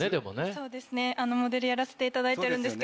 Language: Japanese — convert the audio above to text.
そうですねモデルやらせていただいてるんですけど。